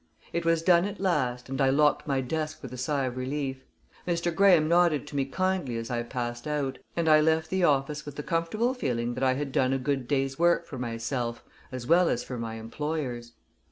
It was done at last, and I locked my desk with a sigh of relief. Mr. Graham nodded to me kindly as I passed out, and I left the office with the comfortable feeling that I had done a good day's work for myself, as well as for my employers.